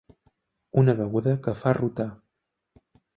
Una beguda que fa rotar.